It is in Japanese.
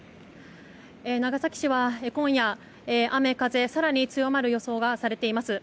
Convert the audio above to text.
長崎市は今夜、雨風が更に強まる予想がされています。